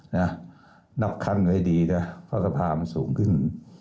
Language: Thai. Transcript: นับคั่นไว้ดีเพราะสภามันสูงขึ้น